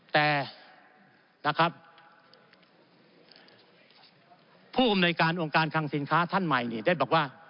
แต่นะครับผู้อำนวยการองค์การคังสินค้าท่านใหม่นี่ได้บอกว่า